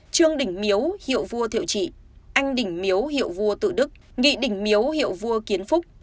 trương đình miếu hiệu vua thiệu trị anh đình miếu hiệu vua tự đức nghị đỉnh miếu hiệu vua kiến phúc